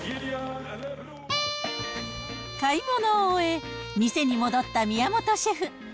買い物を終え、店に戻った宮本シェフ。